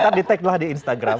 kita di tag lah di instagram